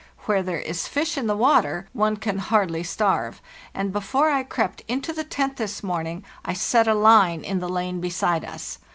Where there is fish in the water one can hardly starve, and before I crept into the tent this morning I set a line in the lane beside us.